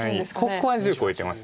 ここは１０超えてます。